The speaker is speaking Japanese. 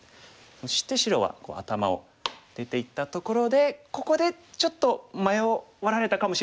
そして白は頭を出ていったところでここでちょっと迷われたかもしれないです。